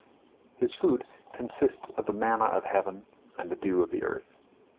His food consists of the manna of heaven and the dew of the earth.